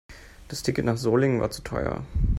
Das Ticket nach Solingen war zu teuer